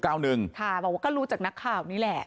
บอกว่าก็รู้จากนักข่าวนี่แหละ